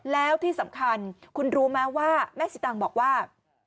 แล้วที่สำคัญคุณรู้ไหมว่าแม่สิตางบอกว่า